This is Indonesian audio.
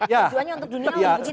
dan tujuannya untuk duniawi